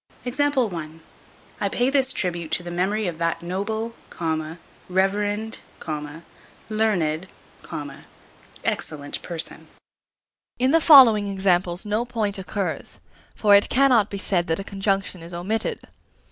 I pay this tribute to the memory of that noble, reverend, learned, excellent person. In the following examples no point occurs; for it cannot be said that a conjunction is omitted.